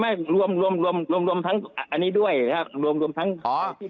ไม่รวมทั้งอันนี้ด้วยครับ